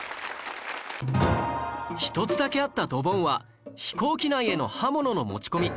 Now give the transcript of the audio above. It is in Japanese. １つだけあったドボンは飛行機内への刃物の持ち込み